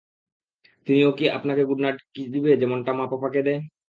তিনি ও কি আপনাকে গুড নাইট কিস দিবে, যেমনটা মা পাপাকে দেয়?